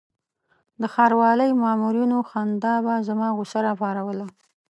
د ښاروالۍ مامورینو خندا به زما غوسه راپاروله.